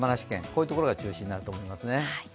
こういったところが中心になると思いますね。